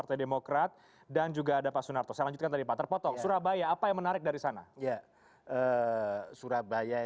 jadi ini juga dikunci sebenarnya